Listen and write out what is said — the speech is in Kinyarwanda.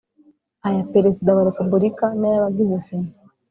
aya Perezida wa Repubulika n ay abagize sena